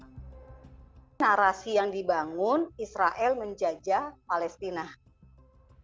di situasi yang dibangun israel menjajah palestina